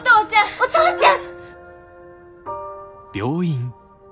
お父ちゃん！